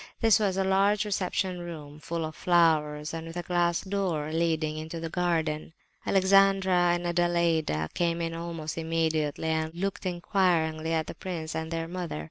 This was a large reception room, full of flowers, and with a glass door leading into the garden. Alexandra and Adelaida came in almost immediately, and looked inquiringly at the prince and their mother.